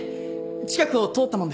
近くを通ったもので。